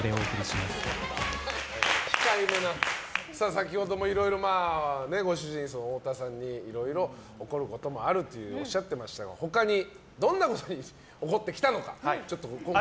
先ほどもいろいろご主人・太田さんにいろいろ怒ることもあるとおっしゃってましたが他にどんなことに怒ってきたのか。